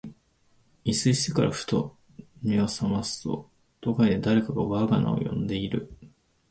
一睡してから、ふと眼めを覚ますと、戸外で誰かが我が名を呼んでいる。